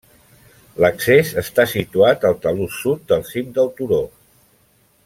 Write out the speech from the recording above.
L'accés està situat al talús sud del cim del turó.